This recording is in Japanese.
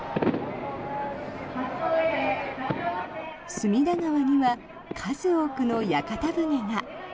隅田川には数多くの屋形船が。